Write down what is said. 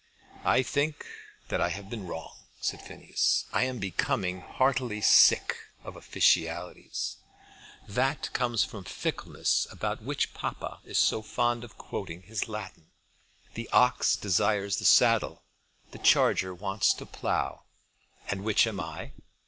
"I think that I have been wrong," said Phineas. "I am becoming heartily sick of officialities." "That comes from the fickleness about which papa is so fond of quoting his Latin. The ox desires the saddle. The charger wants to plough." "And which am I?"